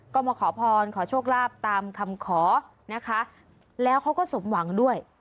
ก็มาขอพรขอโชคลาภตามคำขอนะคะแล้วเขาก็สมหวังด้วย